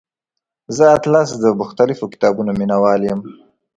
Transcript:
زه اتلس د مختلفو کتابونو مینوال یم.